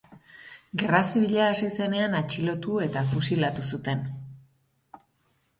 Gerra Zibila hasi zenean, atxilotu eta fusilatu zuten.